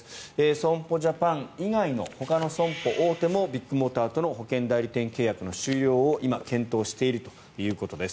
損保ジャパン以外のほかの損保大手もビッグモーターとの保険代理店契約の終了を今、検討しているということです。